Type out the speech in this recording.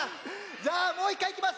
じゃあもういっかいいきます。